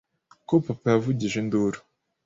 kuko papa yavugije induru